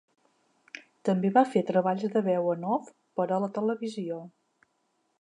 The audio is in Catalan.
També va fer treballs de veu en off per a la televisió.